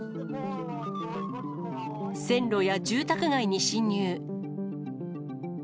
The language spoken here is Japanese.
線路や住宅街に侵入。